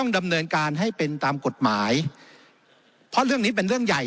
ดำเนินการให้เป็นตามกฎหมายเพราะเรื่องนี้เป็นเรื่องใหญ่